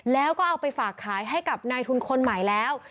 แล้วก็เอาไปฝากขายให้กับนายทุนคนใหม่แล้ว